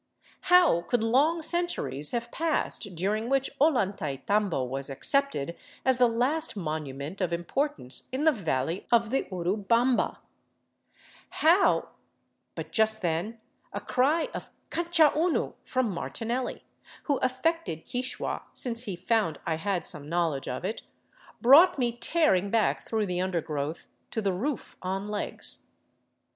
How could long centuries have passed dur 470 A FORGOTTEN CITY OF THE ANDES ing which Ollantaytambo was accepted as the last monument of im portance in the valley of the Urubamba ? How — But just then a cry of '' Cancha unu! " from Martinelli, who affected Quichua since he found I had some knowledge of it, brought me tear ing back through the undergrowth to the roof on legs.